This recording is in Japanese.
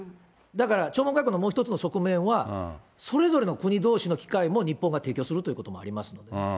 だから弔問外交のもう一つの側面は、それぞれの国どうしの機会も日本が提供するということもあります